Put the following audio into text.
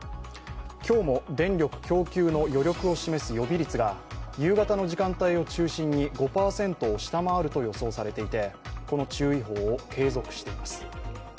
今日も電力供給の余力を示す予備率が夕方の時間帯を中心に５％を下回ると予想されていてこの注意報を継続しています。